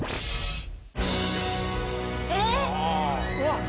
えっ！？